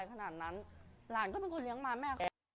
ค่ะ